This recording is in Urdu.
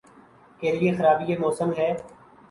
کے لئے خرابیٔ موسم ہے۔